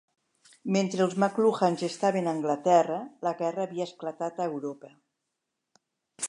Mentre els McLuhans estaven a Anglaterra, la guerra havia esclatat a Europa.